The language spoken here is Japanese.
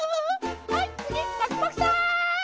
はいつぎパクパクさん！